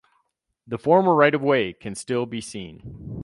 The former right of way can still be seen.